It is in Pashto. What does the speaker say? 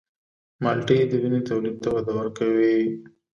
مالټې د وینې تولید ته وده ورکوي.